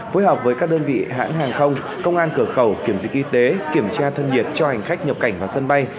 phối hợp với các đơn vị hãng hàng không công an cửa khẩu kiểm dịch y tế kiểm tra thân nhiệt cho hành khách nhập cảnh vào sân bay